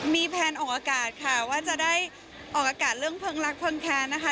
มีแพลนออกอากาศค่ะว่าจะได้ออกอากาศเรื่องเพลิงรักพังแค้นนะคะ